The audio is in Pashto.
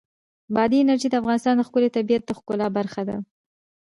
بادي انرژي د افغانستان د ښکلي طبیعت د ښکلا برخه ده.